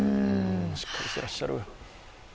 しっかりしていらっしゃる。